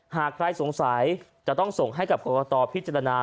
หากใครสงสัยจะต้องส่งให้กับกรกตพิจารณา